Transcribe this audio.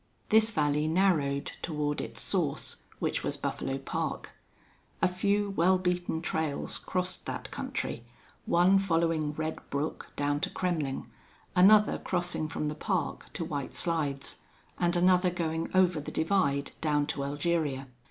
This valley narrowed toward its source, which was Buffalo Park. A few well beaten trails crossed that country, one following Red Brook down to Kremmling; another crossing from the Park to White Slides; and another going over the divide down to Elgeria.